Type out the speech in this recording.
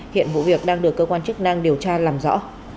hiện vụ việc đang được cơ quan chức năng điều tra làm rõ